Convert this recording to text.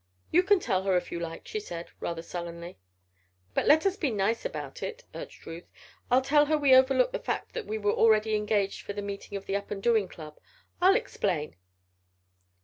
"You can tell her if you like," she said, rather sullenly. "But, let us be nice about it," urged Ruth. "I'll tell her we overlooked the fact that we were already engaged for the meeting of the Up and Doing Club. I'll explain."